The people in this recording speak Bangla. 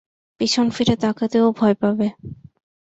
পিছন ফিরে তাকাতেও ভয় পাবে।